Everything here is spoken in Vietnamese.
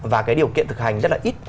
và cái điều kiện thực hành rất là ít